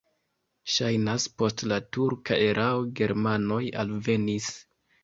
Ŝajnas, post la turka erao germanoj alvenis.